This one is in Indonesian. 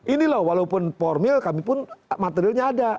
ini loh walaupun formil kami pun materialnya ada